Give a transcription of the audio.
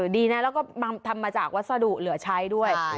ดีนะแล้วก็ทำมาจากวัสดุเหลือใช้ด้วย